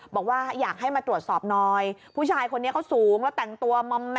บอกว่าอยากให้มาตรวจสอบหน่อยผู้ชายคนนี้เขาสูงแล้วแต่งตัวมอม